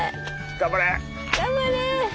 頑張れ！